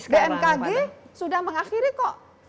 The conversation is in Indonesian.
bmkg sudah mengakhiri kok